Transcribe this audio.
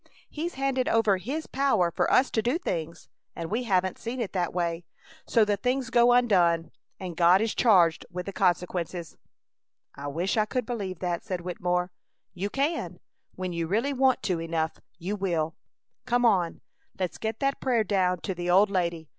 He's handed over His power for us to do things, and we haven't seen it that way; so the things go undone and God is charged with the consequences." "I wish I could believe that!" said Wittemore. "You can! When you really want to, enough, you will! Come on, let's get that prayer down to the old lady!